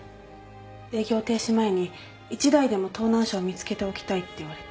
営業停止前に１台でも盗難車を見つけておきたいって言われて。